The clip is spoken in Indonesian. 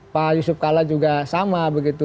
pak yusuf kalla juga sama begitu